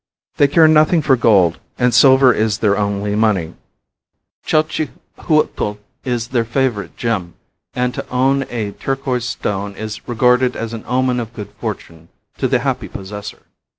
They care nothing for gold, and silver is their only money. Chalchihuitl is their favorite gem and to own a turquoise stone is regarded as an omen of good fortune to the happy possessor.